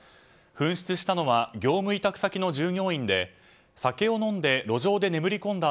紛失したのは業務委託先の従業員で酒を飲んで路上で眠り込んだ